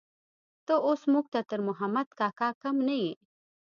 ته اوس موږ ته تر محمد کاکا کم نه يې.